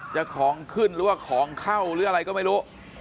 ของขึ้นหรือว่าของเข้าหรืออะไรก็ไม่รู้